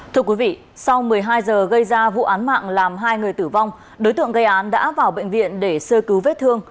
thưa quý vị sau một mươi hai giờ gây ra vụ án mạng làm hai người tử vong đối tượng gây án đã vào bệnh viện để sơ cứu vết thương